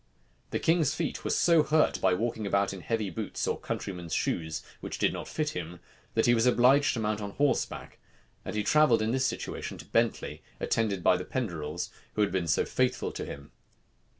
The king's feet were so hurt by walking about in heavy boots or countrymen's shoes which did not fit him, that he was obliged to mount on horseback; and he travelled in this situation to Bentley, attended by the Penderells, who had been so faithful to him.